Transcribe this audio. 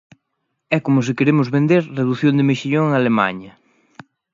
É como se queremos vender redución de mexillón en Alemaña.